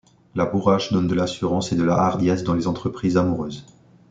La bourrache donne de l'assurance et de la hardiesse dans les entreprises amoureuses.